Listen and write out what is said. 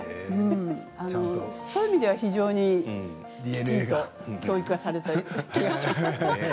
そういう意味では非常にきちんと教育はされた気がします。